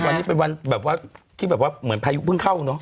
วันนี้เป็นวันแบบว่าที่แบบว่าเหมือนพายุเพิ่งเข้าเนอะ